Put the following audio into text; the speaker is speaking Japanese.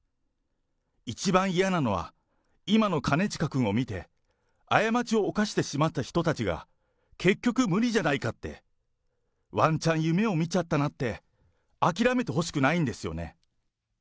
一番嫌なのは、今の兼近君を見て、過ちを犯してしまった人たちが、結局無理じゃないかって、ワンチャン、夢を見ちゃったなって、諦めてほしくないんですよね。